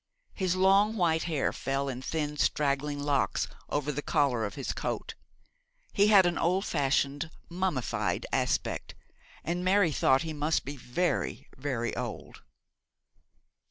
His long white hair fell in thin straggling locks over the collar of his coat. He had an old fashioned, mummyfied aspect, and Mary thought he must be very, very old.